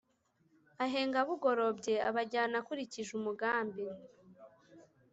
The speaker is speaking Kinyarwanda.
ahenga bugorobye abajyana akurikije umugambi